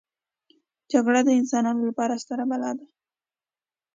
جګړه د انسانانو لپاره ستره بلا ده